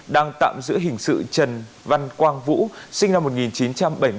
đang tạm giữa hình sự trần văn quang vũ sinh năm một nghìn chín trăm bảy mươi chín